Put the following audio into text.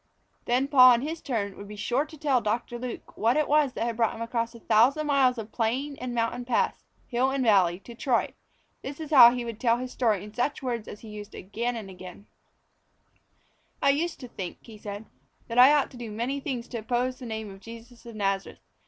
Then Paul in his turn would be sure to tell Doctor Luke what it was that had brought him across a thousand miles of plain and mountain pass, hill and valley, to Troy. This is how he would tell the story in such words as he used again and again: "I used to think," he said, "that I ought to do many things to oppose the name of Jesus of Nazareth.